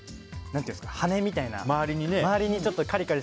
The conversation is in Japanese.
何ていうんですか、羽というか。